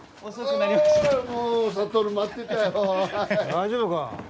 大丈夫か？